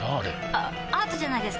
あアートじゃないですか？